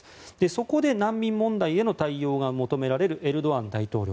そこで難民問題への対応が求められるエルドアン大統領。